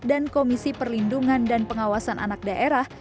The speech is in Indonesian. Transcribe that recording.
dan komisi perlindungan dan pengawasan anak daerah